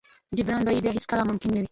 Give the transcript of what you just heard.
جبران به يې بيا هېڅ کله ممکن نه وي.